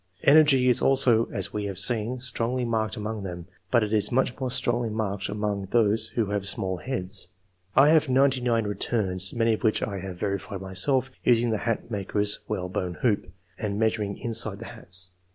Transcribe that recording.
Energy is also, as we have seen, strongly marked among them; but it is much more strongly marked among those who have small heads. I have ninety nine returns, many of which I have verified myself, using the hat II.] QUALITIES. 99 maker^s whalebone hoop, and measuring inside the hate.